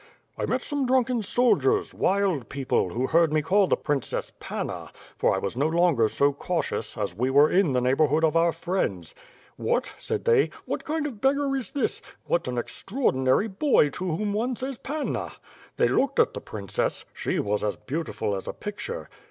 "I met some drunken soldiers, wild people, who heard me WITH FIRE AND SWORD. ^jj call the princess Tanna/ for I was no longer so cautious, as we were in the neighborhood of our friends. 'What!' said they, *what kind of beggar is this. What an extraordintry boy to whom one says, Panna!' They looked at the princess. She was as beautiful as a picture.